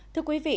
thưa quý vị